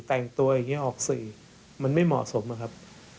แต่งตัวอย่างนี้ออกสื่อมันไม่เหมาะสมนะครับ